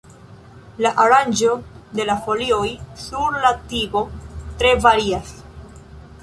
La aranĝo de la folioj sur la tigo tre varias.